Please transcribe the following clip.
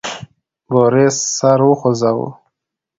بوریس سر وخوزاوه.